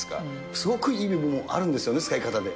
すごくいい部分もあるんですよね、使い方で。